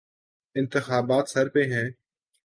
انتخابات سر پہ ہیں۔